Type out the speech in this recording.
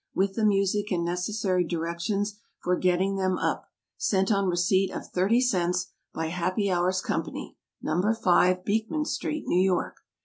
With the Music and necessary directions for getting them up. Sent on receipt of 30 cents, by HAPPY HOURS COMPANY, No. 5 Beekman Street, New York.